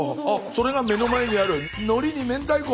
それが目の前にあるのりにめんたいこ！